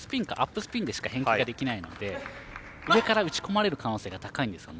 スピンでしか返球ができないので上から打ち込まれる可能性が高いんですよね。